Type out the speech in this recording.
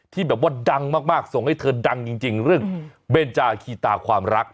ที่แบบว่าดังมากส่งให้เธอดังจริงเรื่องเบนจาคีตาความรัก